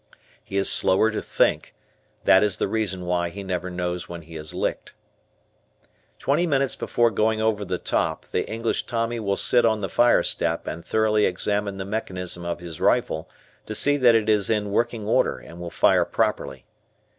He is slower to think, that is the reason why he never knows when he is licked. Twenty minutes before going over the top the English Tommy will sit on the fire step and thoroughly examine the mechanism of his rifle to see that it is in working order and will fire properly.